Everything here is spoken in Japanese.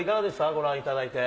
ご覧いただいて。